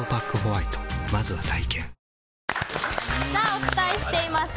お伝えしています